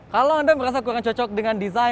kalau anda merasa kurang cocok dengan desain